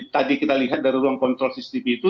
tadi kita lihat dari ruang kontrol cctv itu